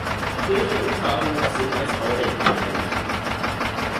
Kirche und Pfarrhof sind als Baudenkmal eingestuft.